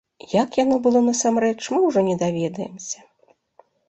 Як яно было насамрэч, мы ўжо не даведаемся.